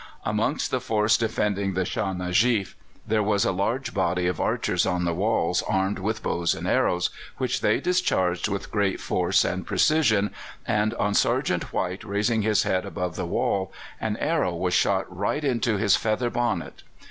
Amongst the force defending the Shâh Nujeef there was a large body of archers on the walls armed with bows and arrows, which they discharged with great force and precision, and on Sergeant White raising his head above the wall an arrow was shot right into his feather bonnet.